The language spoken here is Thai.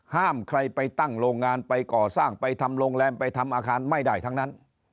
ห้ามใครไปตั้งโรงงานไปก่อสร้างไปทำโรงแรมไปทำอาคารไม่ได้ทั้งนั้น